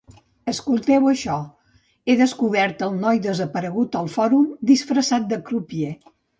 Escolteu això: «He descobert el noi desaparegut al Fòrum disfressat de crupier.